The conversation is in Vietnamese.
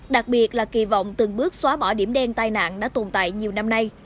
đặc biệt là kỳ vọng từng bước xóa bỏ điểm đen tai nạn đã tồn tại nhiều năm nay